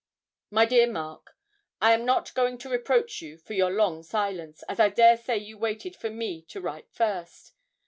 'MY DEAR MARK, I am not going to reproach you for your long silence, as I dare say you waited for me to write first.